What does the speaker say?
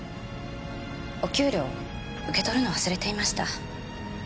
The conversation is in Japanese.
お給料受け取るの忘れていました。